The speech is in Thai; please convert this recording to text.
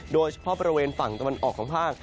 โดยเฉพาะบริเวณฝั่งตะวันออกของภาค